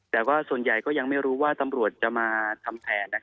แต่ว่าส่วนใหญ่ก็ยังไม่รู้ว่าตำรวจจะมาทำแผน